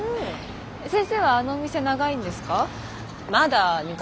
先生はあのお店長いんですか？